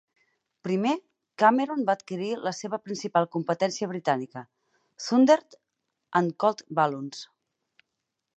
Primer, Cameron va adquirir la seva principal competència britànica, Thunder and Colt Balloons.